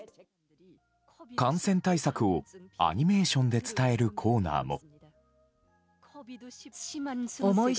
感染対策をアニメーションで伝えるコーナーも。